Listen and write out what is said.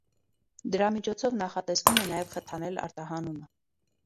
Դրա միջոցով նախատեսվում է նաև խթանել արտահանումը։